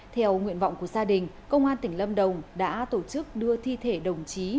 theo nguyện vọng của gia đình công an tỉnh lâm đồng đã tổ chức đưa thi thể đồng chí